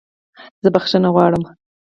زه بخښنه غواړم